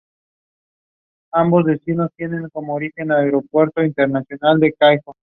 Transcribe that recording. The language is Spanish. Su director es Alex Wood.